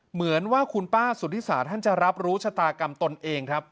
เหมือนว่าคุณป้าสุธิสาท่านจะรับรู้ชะตากรรมตนเองครับ